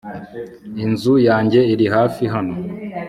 inzu yanjye iri hafi hano